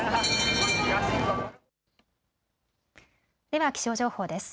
では気象情報です。